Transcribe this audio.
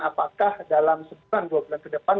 apakah dalam sebulan dua bulan ke depan